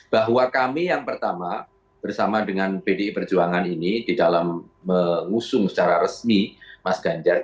bahwa kami yang pertama bersama dengan pdi perjuangan ini di dalam mengusung secara resmi mas ganjar